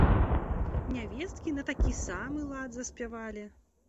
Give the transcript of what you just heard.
Нявесткі на такі самы лад заспявалі.